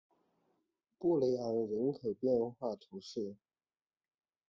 布雷昂人口变化图示